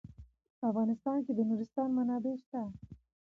په افغانستان کې د نورستان منابع شته.